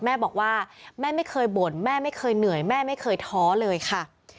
แม่บอกว่าแม่ไม่เคยบ่นแม่ไม่เคยเหนื่อยแม่ไม่เคยท้อเลยค่ะ